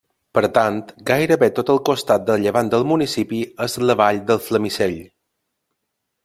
Per tant, gairebé tot el costat de llevant del municipi és la vall del Flamisell.